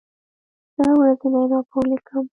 زه ورځنی راپور لیکم.